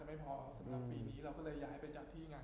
สำหรับปีนี้เราก็ย้ายไปจากที่งาน